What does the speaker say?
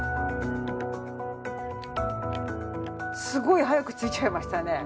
すごい早くついちゃいましたね。